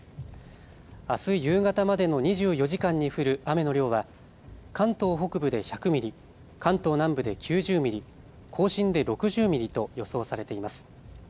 あす夕方までの２４時間に降る雨の量は関東北部で１００ミリ、関東南部で９０ミリ、甲信で６０ミリと予想されています。